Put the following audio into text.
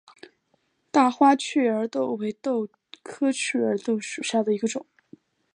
大花雀儿豆为豆科雀儿豆属下的一个种。